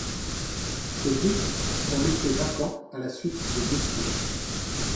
Ces deux titres sont laissés vacants à la suite de blessures.